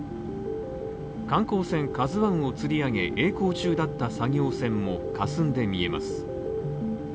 観光船「ＫＡＺＵ１」をつりあげえい航中だった作業船もかすんで見えます。